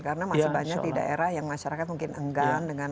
karena masih banyak di daerah yang masyarakat mungkin enggan